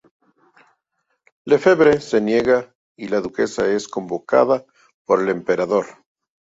Lefebvre se niega y la duquesa es convocada por el Emperador.